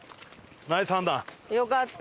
よかった。